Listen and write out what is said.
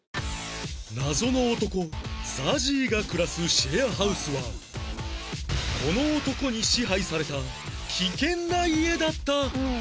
謎の男 ＺＡＺＹ が暮らすシェアハウスはこの男に支配された危険な家だった